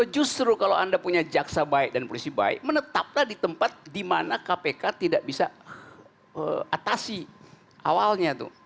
justru kalau anda punya jaksa baik dan polisi baik menetapkan di tempat di mana kpk tidak bisa atasi awalnya tuh